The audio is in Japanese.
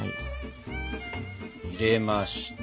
入れまして。